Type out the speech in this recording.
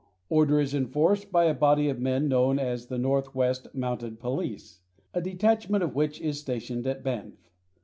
Order is enforced by a body of men known as the Northwest Mounted Police, a detachment of which is stationed at Banff.